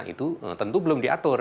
itu tentu belum diatur